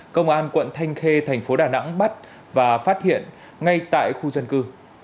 công an quận thanh khê thành phố đà nẵng bắt và phát hiện ngay tại khu dân cư